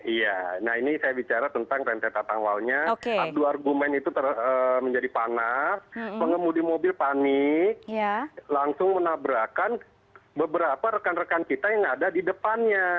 iya nah ini saya bicara tentang rentetan walnya adu argumen itu menjadi panah pengemudi mobil panik langsung menabrakan beberapa rekan rekan kita yang ada di depannya